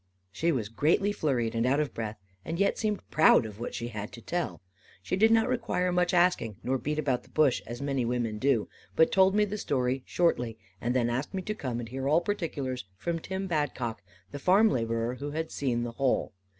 She was greatly flurried and out of breath, and yet seemed proud of what she had to tell. She did not require much asking, nor beat about the bush, as many women do; but told me the story shortly, and then asked me to come and hear all particulars from Tim Badcock the farm labourer, who had seen the whole.